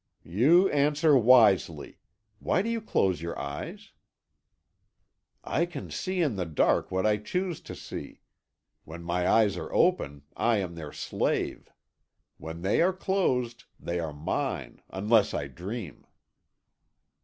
"You answer wisely. Why do you close your eyes?" "I can see in the dark what I choose to see. When my eyes are open, I am their slave. When they are closed, they are mine unless I dream."